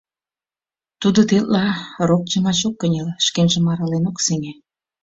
Тудо тетла рок йымач ок кынел, шкенжым арален ок сеҥе...